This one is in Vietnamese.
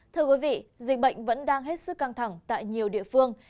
thưa quý vị dịch bệnh vẫn đang hết sức căng thẳng tại nhiều địa phương